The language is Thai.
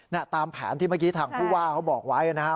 ตามแผนที่เมื่อกี้ทางผู้ว่าเขาบอกไว้นะครับ